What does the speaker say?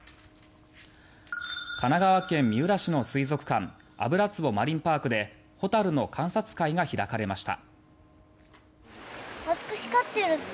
神奈川県三浦市の水族館油壺マリンパークでホタルの観察会が開かれました。